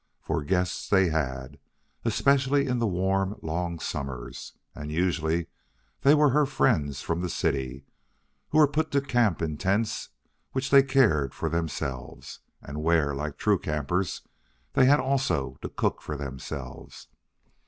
For guests they had, especially in the warm, long summers, and usually they were her friends from the city, who were put to camp in tents which they cared for themselves, and where, like true campers, they had also to cook for themselves.